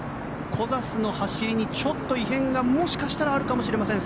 小指の走りにちょっと異変がもしかしたらあるかもしれません。